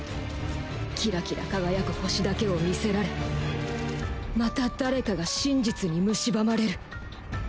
キラキラ輝く星だけを見せられまた誰かが真実に蝕まれる。